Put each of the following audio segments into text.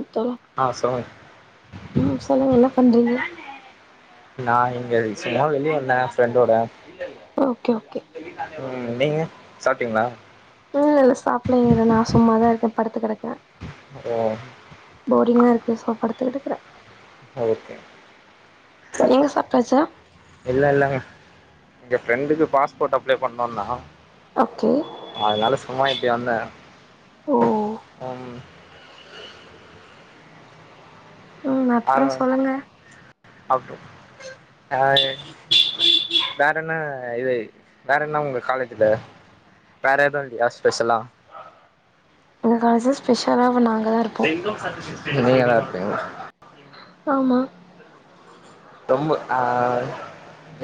இப்பவா ஆ சொலுங்க ம் சொல்லுங்க என்ன பண்றீங்க நா இங்க சும்மா வெளிய வந்தே ஃப்ரெண்டோட ஓகே ஓகே ம் நீங்க சாப்ட்டீங்களா இம் இல்லல சாப்பிடலங்க இத நா சும்மாதாருக்கே படுத்து கெடக்கே ஓ போரிங்காருக்கு சோ படுத்துக்கிட்டுருக்குறே ஓகே நீங்க சாப்டாச்சா இல்லல்லங்க எங்க பிரண்ட்க்கு பாஸ்போர்ட் அப்ளை பண்ணோனா ஓகே அதனால சும்மா இப்டி வந்தே ஓ ம் ம் ஆ அப்றோ சொல்லுங்க அட்டு ஆ வேற என்ன இது வேற என்ன உங்க காலேஜ்ல வேற எது இல்லையா ஸ்பெஷலா எங்க காலேஜ்ல ஸ்பெஷலா பண்ணுவாங்க நீங்க எல்லா இருப்பீங்க ஆமா தொம்ப ஆ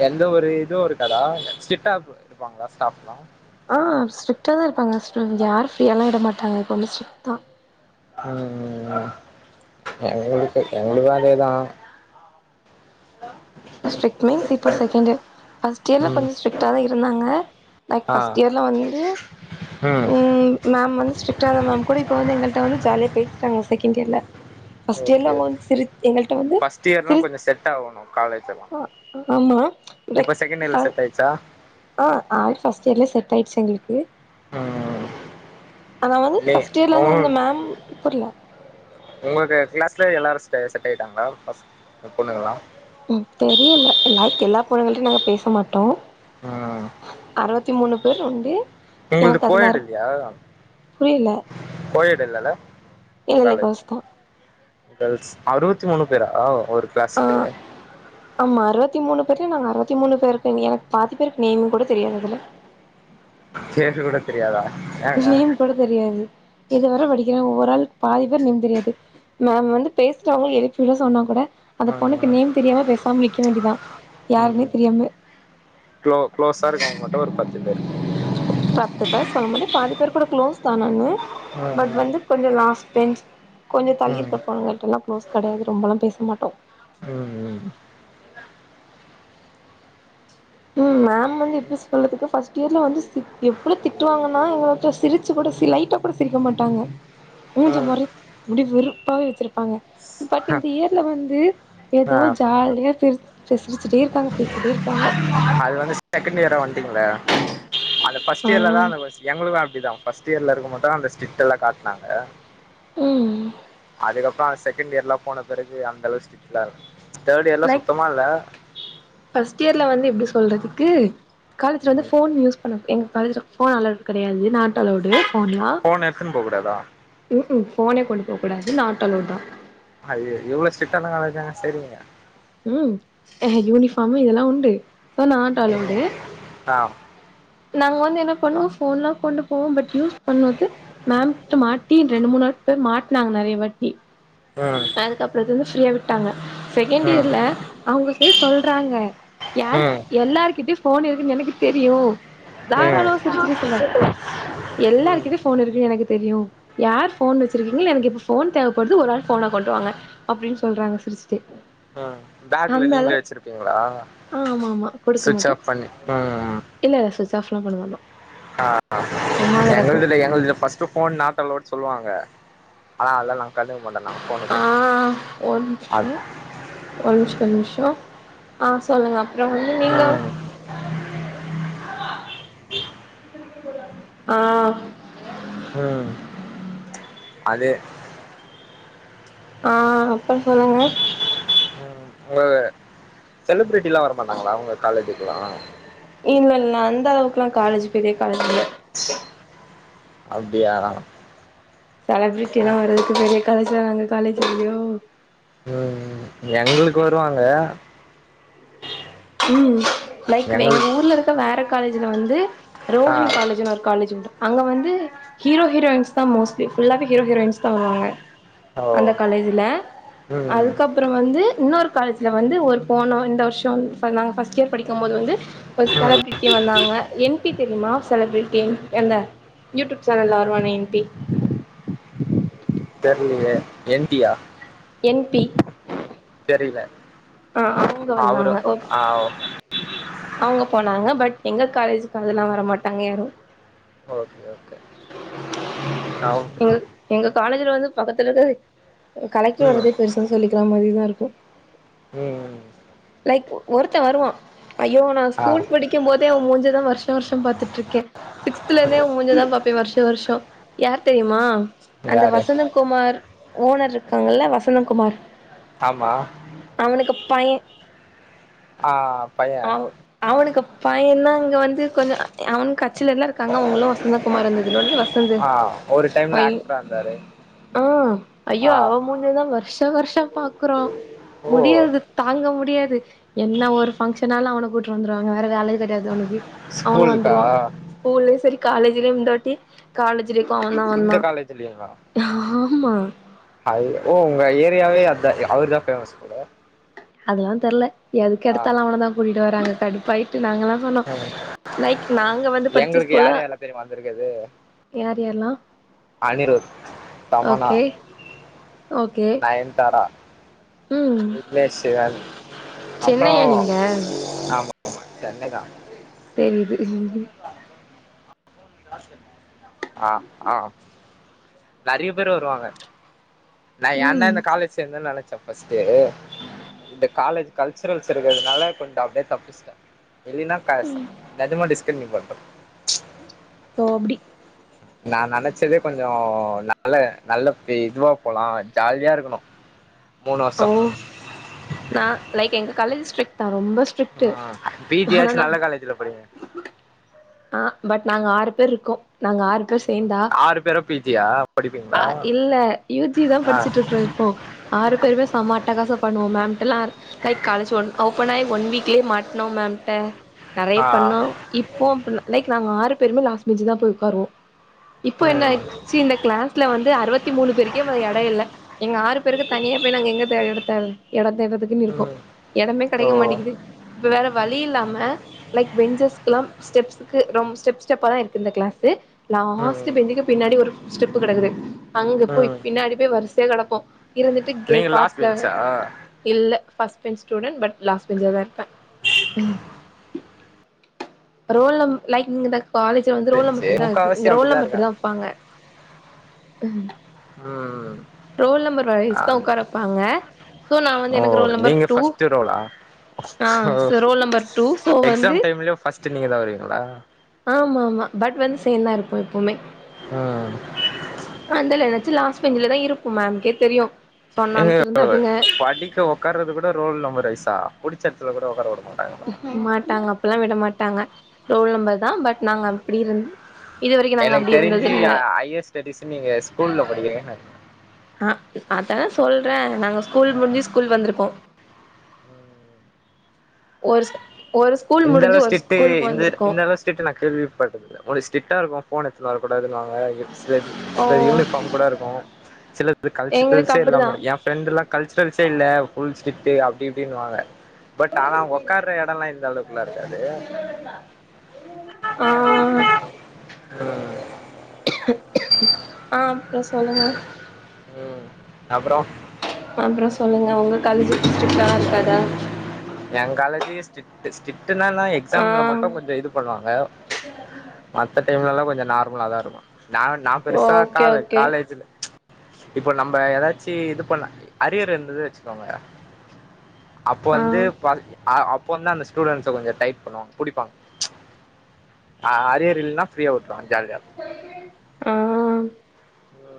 எந்த ஒரு இது இருக்காதா சிட்டா இருப்பாங்களா ஸ்டாப்லா ஆ ஸ்ட்ரிக்ட்டா தா இருப்பாங்க [unintelligible] யார் ஃப்ரீயல்லா விட மாட்டாங்க இப்பமே ட்ரிக்ட் தா ம் எங்களுக் எங்ககுளுக்கு அதேதா ஹலோ ஸ்ட்ரிக்ட் மீன்ஸ் இப்போ செகண்ட் இயர் பஸ்ட்டு இயர்ல ம் கொஞ்ச ஸ்ட்ரிக்ட்டா தா இருந்தாங்க லைக் ஆ ஃபர்ஸ்ட் இயர்ல வந்து ம் மேம் வந்து ஸ்ரிக்ட்டா தா மேம் கூட இப்ப வந்து எங்கள்ட்ட ஜாலியா பேசுறாங்க செகண்ட் இயர்ல ஓகே ஃபர்ஸ்ட் எல்லா ஓகே வந்து திரி எங்கள்ட்ட வந்து ஃபர்ஸ்ட் இயர்லா திரி கொஞ்சோ செட் ஆகணு அ ஆமா லைக் இப்போ செகண்ட் ஃப இயர்லல்ல செட் ஆச்சா ஆ ஆள் ஃபர்ஸ்ட் இயர்லே செட் ஆயிடுச்சி எங்களுக்கு ம் ஆனா வந்து நீ ஃபர்ஸ்ட் இயர்ல உ இருந்து அந்த மேம் புரில உங்களுக்கு க்ளாஸ்ல எல்லாரு செ செட் ஆயிட்டாங்களா பொண்ணுங்களா ம் தெரியல்ல எல்ல எல்லா பொண்ணுங்க கிட்டயு நாங்க பேச மாட்டோ ஆ அறுவத்தி மூணு பேர் உண்டு உங்கள்து எனக்கு அதுல கோஎட் யாரு இல்லையா புரியல கோஎட் இல்லல்ல உங்க இல்ல இல்ல காலேஜ் கேர்ள்ஸ் தா கேர்ள்ஸ் அறுவத்தி மூணு பேரா ஓர் ஆ கிளாஸ்க்கு ஆமா அறுவத்தி மூணு பேர்ல நாங்க அறுவத்தி மூணு பேருக்கு எனக்கு பாதி பேருக்கு நேம்ம கூட தெரியாது அதுல சேட்டு கூட தெரியாதா ஏங்க நேம் கூட தெரியாது இதுவர படிக்கிறே ஒவ்வொரு ஆள் பாதிப்பேரு நேம் தெரியாது மேம் வந்து பேசுறவங்க எழுப்பிவிட சொன்னா கூட அந்த பொண்ணுக்கு ம் நேம் தெரியாம பேசாம நிக்க வேண்டியதுதா யாருன்னே தெரியாம இவ்ளோ குளோஸா இருக்கவங்க மட்டு ஒரு பத்து பேரு பத்து பேர் சொல்ல மாட்டே பாதி பேர் கூட க்ளோஸ்டு ஆனாலுமே பட் ம் வந்து கொஞ்ச ஃபர்ஸ்ட் பென்ச் கொஞ்ச தள்ளி ம் இருக்கிற பொண்ணுங்க கிட்டலா க்ளோஸ் கெடையாது ரொம்பலா பேச மாட்டோ ம் ம் ம் மேம் வந்து எப்டி சொல்றதுக்கு பஃர்ஸ்ட் இயர்ல வந்து எப்படி திட்டுவாங்கன்னா எங்களுக்கிட்ட சிரிச்சி கூட சி லைட்டா கூட சிரிக்க மாட்டாங்க மூஞ்ச ம் பாரு அப்டி வெறுப்பாவே வச்சிருப்பாங்க பட் இந்த இயர்ல வந்து ஏதோ ஆ ஜாலியா சிரி சிரிச்சிட்டே இருக்காங்க பேசிட்டே இருக்காங்க அது வந்து செகண்ட் இயரா வந்ட்டீங்கள இல்ல அந்த ஃபர்ஸ்ட் ஆ இயர்ல தா அந்த எங்களுக்கு அப்படிதா ஃபர்ஸ்ட்டு இயர்ல இருக்கு மட்டு ஸ்டிக் காட்னாங்க ம் அதுக்கப்பறோ அது செகண்ட் இயர்லா போன பிறகு அந்த அளவுக்கு ஸ்ட்டா [inaudible] தேர்ட் இயர்ல லைக் சுத்தமா இல்ல ஃபர்ஸ்ட் இயர்ல வந்து எப்டி சொல்றதுக்கு காலேஜ்ல வந்து ம் போன் யூஸ் பண்ண எங்க காலேஜ்ல ஃபோன் அலோட் கடையாது நாட் அலோடு போன்லா ஃபோன் எடுத்துன்னு போ கூடாதா ம் ம் போனே கொண்டு போ கூடாது நாட் அலோட் தா [unintelligible] இவ்ளோ ஸ்ட்ரிக்ட்டான காலேஜ்ஜாங்க சேர்ந்தீங்க ம் அஹா யூனிஃபாம்மு இதல்லா உண்டு சோ நாட் அலோடு ஆ நாங் வந்து என்ன பண்ணுவோ போன்லா கொண்டு போவோ பட் யூஸ் பண்ணது மேம்ட்ட மாட்டி ரெண்டு மூணு ஆட் பேர் மாட்னாங்க நறைய வாட்டி ம் அதுக்கப்பறத்துலருந்து ஃப்ரீயா விட்டாங்க செகண்ட் ம் ம் இயர்ல அவுங்களுக்கே சொல்றாங்க யாருக்கு ம் எல்லார்கிட்டயு ஃபோன் இருக்குன்னு எனக்கு தெரியு தாராளம சிரிச்சிட்டே சொல்றாங் ம் எல்லார்கிட்டயு ஃபோன் இருக்கு எனக்கு தெரியு யார் ஃபோன் வெச்சியிருக்கிங்கள எனக்கு இப்ப ஃபோன் தேவப்படுது ஒரு ஆள் ஃபோன்ன கொண்டுவாங்க அப்டின்னு சொல்றாங்க சிரிஸ்ட்டே ம் பேக்ல நீங்களே வெச்சிருப்பீங்களா ஆ ஆமா ஆமா கொடுக்க சுவிட்ச் மாட்டோ ஆப் பண்ணி ம் ம் இல்ல சுவிட்ச் ஆப்லா பண்ண மாட்டோ ஆ சும்மா கெடக்கு எங்களுதுல எங்களுதுல first phone not allowed சொல்லுவாங்க அனா அதல்லா கண்டுக்க மாட்டோ நா ஆ ஒரு நிம்ஷோ ஒரு நிம்ஷோ நிம்ஷோ ஆ சொல்லுங்க அப்பறோ வந்து நீங்க ம் ஆ ம் அது ஆ அப்பற சொல்லுங்க ம் உங்களது செலிப்ரிட்டிலா வரமாட்டாங்களா உங்க காலேஜுக்குலா இல்ல இல்ல அந்த அளவுக்குலா காலேஜ் பெரிய காலேஜ் இல்ல அப்டியா செலபிரிட்டி எல்லா வர்றதுக்கு பெரிய காலேஜ்ல நாங்க காலேஜ் [unintelligible] ம் ம் எங்களுக்கு வருவாங்க ம் லைக் எங்க எங்களுக்கு ஊர்ல இருக்க வேற காலேஜில வந்து ஆ ரோஹிணி காலேஜுன்னு ஒரு காலேஜ் உண்டு அங்க வந்து ஹீரோ ஹீரோயின்ஸ் தா மோஸ்டலி ஃல்லாவே ஹீரோ ஹீரோயின்ஸ் தா வருவாங்க ஓ அந்த காலேஜ்ஜுல ம் அதுக்கப் அப்பறோ வந்து இன்னொரு காலேஜ்ல வந்து ஒரு போன இந்த வர்ஷோ பண்ணாங்க ஃபர்ஸ்ட் இயர் படிக்கும் போது வந்து ஒரு ம் செலப்ரிட்டி வந்தாங்க என் டி தெரிமா செலபிரிட்டி அந்த யூடியூப் சேனல்ல வருவானே என் டி தெர்லியே என் டியா என் பி தெரில ஆ அவங்க அவரு ஆ அவுங்க போனாங்க பட் எங்க காலேஜுக்கு அதல்லா வரமாட்டாங்க யாரு ஓகே ஓகே அவ் எங்க எங்க காலேஜுல வந்து பக்கத்துல இருக்கறது அ கலக்கி ம் வர்ரதே பெருசுன் சொல்லிக்கிறா மாதிரிதா இருக்கு ம் லைக் ஒருத்த வருவா ஐயோ நா ஆ ஸ்கூல் படிக்கும் போதே அவ மூஞ்சதா வர்ஷ வர்ஷோ பாத்துட்ருக்க சிக்ஸ்துல இருந்தே உ முஞ்சதா பாப்பே வருஷ வருஷோ யார் தெரியுமா அந்த யாரு வசந்த குமார் ஓனர் இருக்காங்கல்ல வசந்த குமார் ஆமா அவனுக்கு பைய ஆ பைய அவ அவனுக்கு பையன இங்க வந்து கொஞ்ச அவனு கட்சில எல்லா இருக்காங்க அவங்ளு வசந்த குமார் இருந்ததுலது வசந்து ஆ ஒரு டைம்ல ய ஆக்டரா இருந்தாரு ஆ ஐயோ ஆ அவ மூஞ்சதா வர்ஷ வர்ஷ பாக்குறோ ஓ முடியாது தாங்க முடியாது என்ன ஒரு ஃபங்க்ஷனாலு அவன கூட்டு வந்துருவாங்க வேற வேலையே கெடையாது அவனுக்கு அவனு ஸ்கூலுக்கா வந்துருவான் ஸ்கூல்லயு செரி காலேஜ்லியு இந்தாட்டி காலேஜ்டேக்கு அவ தா வந்தா இந்த காலேஜ்லயுமா ஆமா அது ஓ உங்க ஏரியாவே அந்த அவர்தா ஃபேமஸ் கூட அதெல்லா தெர்ல எதுக்கு எடுத்தாலும அவன தா கூட்டிட்டு வராங்க கடுப்பாயிட்டு நாங்கலா நோ நோ லைக் நாங்க வந்து படிச்ச எங்களுக்கு ஸ்கூல்ல யார் யாரெல்லா தெரியுமா வந்திருக்குது யார் யாரல்லா அனிருத் தமன்னா ஓகே நயன்தாரா ம் விக்னேஷ் சிவன் அப்புறோ சென்னையா நீங்க ஆமா என்னைக்கா தெரிது ஆ ஆ நெறைய பேர் வருவாங்க நா ஏன்டா ம் இந்த காலேஜ் சேர்ந்தே நெனச்சே ஃபர்ஸ்ட்டு இந்த காலேஜ் கல்ச்சுரல்ஸ் இருக்கிறதுனால கொஞ் அப்டியே தப்பிச்ட்டே இல்லினா க நெஜமா டிஸ்க் கண்டினியூ பண்றோ ஓ அப்டி நா நெனச்சதே கொஞ்சோ நல்ல நல்ல இதுவா போலா ஜாலியா இருக்கணு மூணு வர்ஷோ ஓ நா லைக் எங்க காலேஜ் ஸ்ட்ரிக் தா ரொம்ப ஆ ஸ்ட்ரிக்ட்டு ஆனா பிஜியாச்சு நா நல்ல காலேஜ்ல படிங்க ஆ பட் நாங்க ஆறு பேர் இருக்கோ நாங்க ஆறு அப்றோ சேர்ந்தா ஆறு பேரு பி ஜி யா படிப்பீங்களா அ இல்ல யூ ஜி தா ஆ படிச்சுட்டு இருக்றோ ஓ ஆறு பேருமே செமா அட்டக்காசோ பண்ணுவோ மேம்டல்லா லைக் காலேஜ் ஒன் ஓபன் ஆயி ஒன் வீக்லே மாட்னோ மேம்ட்ட நறைய ஆ பண்ணோ இப்போ லைக் நாங்க ஆறு பேருமே லாஸ்ட் பெஞ்சு தா போய் உட்காருவோ இப்போ என்ன ம் ஆச்சு இந்த கிளாஸ்ல வந்து அறுபத்தி மூணு பேருக்கே வ இட இல்ல எங்க ஆறு பேருக்கு தனியா பேய் நாங்க எங்கத்த இடத்த இடத் தேர்றதுக்குன் இருக்கோ ம் இடமே ஓ கெடைக்க மாட்டிக்கிது இப்ப வேற வழி இல்லாம லைக் பெஞ்சஸ்க்குலா ஸ்டெப்ஸ்சுக்கு ரொம்ப ஸ்டெப் ஸ்டெப்ப தா இருக்கு இந்த கிளாஸ் லாஸ்ட் ம் பெஞ்சிக்கு பின்னாடி ஒரு ஸ்டெப்பு கெடக்குது அங்க போய் ம் பின்னாடி போய் வர்சையா கெடப்போம் இருந்துட் ட்டுக்கே நீங்க லாஸ்ட் காட்ஸ்ல பெஞ்சா இல்ல first bench student but last பெஞ்சல தா இருப்பே ரோல் நம்பர் லைக் நீங்க இந்த காலேஜ்ல வந்து ரோல் சேரி சேரி நம்பர்டிதா இருக்கு இங்க முக்காவாசி ரோல் அப்டிதா நம்பர் படிதா இருக்காங்க வப்பாங்க ம் ம் ரோல் நம்பர் வைஸ் ஆ தா உட்கார வப்பாங்க சோ நா வந்து ஓ எனக்கு ரோல் நம்பர் நீங்க டூ ஃபர்ஸ்ட் ரோலா ஆ ஓ ச ரோல் நம்பர் டூ சோ வந்து ஃபஸ்ட்டு நீங்க தா வருவீங்ளா ஆமாமா பட் வந்து சேர்ந்தா இருக் எப்பவுமே ம் அந்தல நனைச்சு லாஸ் பெஞ்சல தா இருப்போ மேம் கே தெரியு எங்க சொன்னாலு திருந்தாதுங்க [inaudible] படிக்க உக்காறது கூட ரோல் நம்பர் ஐசா புடிச்ச எடத்துல கூட உக்கார விட மாட்டாங்க மாட்டாங்க அப்பெல்லா விட மாட்டாங்க ரோல் நம்பர் தா பட் நாங்க அப்டி இருந் இது வரைக்கு நாங்க அப்டி இருந்தது இல்ல சரிஷ் நீங்க ஸ்கூல்ல படிக்ரேன்ன ஆ அத்தான சொல்ற நாங்க ஸ்கூல் முடிஞ்சி ஸ்கூல் வந்திருக்கோ ஒரு ஒரு ஸ்கூல் முடிஞ்சி ஒரு ஸ்கூலுக்கு வந்திருக்கோ ஸ்சிட் நா கேள்விப்பட்டது இல்ல முதல்ல ஸ்சிட்டா இருக்கு போன் எடுத்திட்டு வர கூடாதுன்னுவாங்க சில ஓ சிலது யூனிஃபார்ம் கூட இருக்கு சில எங்களுக்கு கல்ச்சரல்ஸே இல்லாம அப்டிதா இருக்கு ஏ ப்ரெண்ட எல்லா கல்ச்சரல்ஸ்சே இல்ல புல்ஸ்ட்ரிட்க் அப்டி இப்டின்னுவாங்க பட் ஆனா உக்கார எடல்லா இந்த அலோ இருக்காது ஆ [unintelligible] ஆ அப்புற சொல்லுங்க உம் அப்புரோ சொல்லுங்க உங்க காலேஜி ஏப்டி ஸ்ட்சிக்டாலாக் இருக்காதா ஏ காலேஜி ஜிஎஸ்டி டெஸ்ட் கிட்டுனா நா ஆ எக்ஸாம்ல மட்டு கொஞ்சோ இது பண்ணுவாங்க மத்த டைம்ல எல்லா கொஞ்சோ நார்மலா தா இருக்கு நா நா பெருசா ஓகே காலேஜ் ஓகே காலேஜ்ல இப்போ நம்ம ஏதாச்சி இது பண்ண அரியர் இருந்தது வச்சிக்கோங்க அப்போ ஆ வந்து பருத்தி ஆ அப் இப்போந்தா அந்த ஸ்டூடண்ஸ கொஞ்ச டைட் பண்ணுவாங்க புடிப்பாங்க அ ஆ அரியர் இல்னா ப்ரீயா உட்ருவா ஜால்யா ஆ ஆ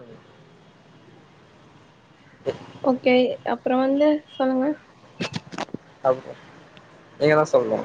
ஹ ஓகே அப்ரோ வந்து சொல்லுங்க அப்ரோ நீங்க தா சொல்னு